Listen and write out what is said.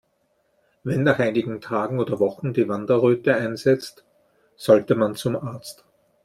Wenn nach einigen Tagen oder Wochen die Wanderröte einsetzt, sollte man zum Arzt.